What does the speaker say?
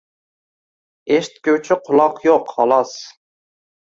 Eshitguvchi quloq yoʼq, xolos.